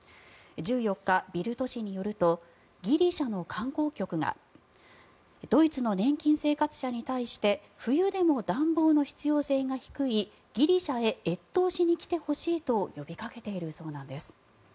１４日、ビルト紙によるとギリシャの観光局がドイツの年金生活者に対して冬でも暖房の必要性が低いギリシャへ越冬しに来てほしいと呼びかけているそうなんです。